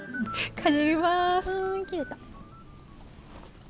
かじります。